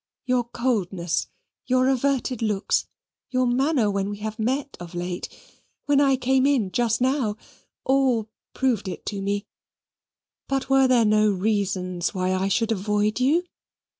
"Your coldness, your averted looks, your manner when we have met of late when I came in just now, all proved it to me. But were there no reasons why I should avoid you?